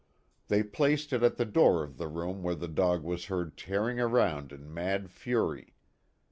They placed it at the door of the room where the dog was heard tearing around in mad fury.